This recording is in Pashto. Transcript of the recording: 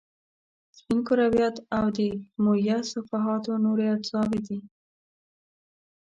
سپین کرویات او دمویه صفحات نورې اجزاوې دي.